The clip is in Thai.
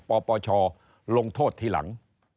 ปปชลงโทษทีหลัง